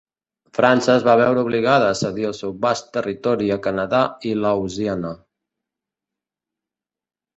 França es va veure obligada a cedir el seu vast territori a Canadà i "Laosiana".